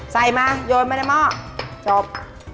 ใส่มาโยนมาในหม้อจบ